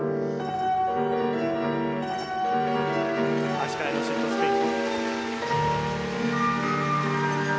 足換えのシットスピン。